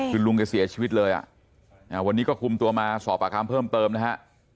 คือลุงแกเสียชีวิตเลยอ่ะวันนี้ก็คุมตัวมาสอบปากคำเพิ่มเติมนะฮะ